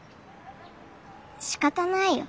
しかたないよ。